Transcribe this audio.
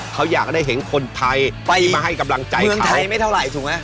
เขาอยากได้เห็นคนไทยไปมาให้กำลังใจเมืองไทยไม่เท่าไหร่ถูกไหม